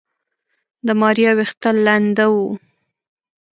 د ماريا ويښته لنده وه.